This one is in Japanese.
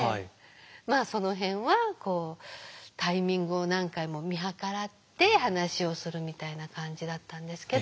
まあその辺はこうタイミングを何回も見計らって話をするみたいな感じだったんですけど。